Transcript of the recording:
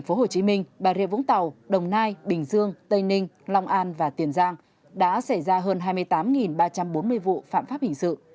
tp hcm bà rịa vũng tàu đồng nai bình dương tây ninh long an và tiền giang đã xảy ra hơn hai mươi tám ba trăm bốn mươi vụ phạm pháp hình sự